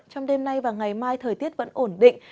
trong đêm nay và ngày mai thời tiết vẫn ổn định